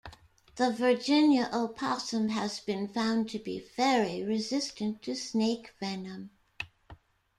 The Virginia opossum has been found to be very resistant to snake venom.